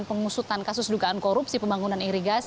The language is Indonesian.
pengusutan kasus dugaan korupsi pembangunan irigasi